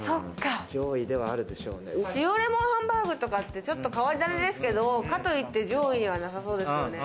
塩レモンハンバーグとかって変り種ですけど、かといって上位ではなさそうですよね。